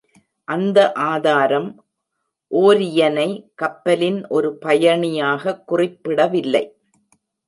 அந்த ஆதாரம் ஓரியனை கப்பலின் ஒரு பயணியாகக் குறிப்பிடவில்லை.